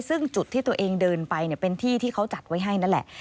ซึ่งจุดที่ตัวเองเดินไปเป็นที่ที่เขาจัดไว้ให้นั่นแหละ